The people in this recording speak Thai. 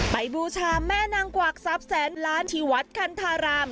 บูชาแม่นางกวักทรัพย์แสนล้านที่วัดคันธาราม